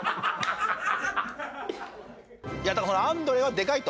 だからアンドレはでかいと。